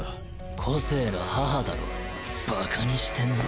個性の母だろ馬鹿にしてんな？